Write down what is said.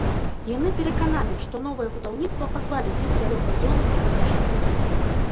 Яны перакананыя, што новае будаўніцтва пазбавіць іх зялёнай зоны і дзіцячых пляцовак.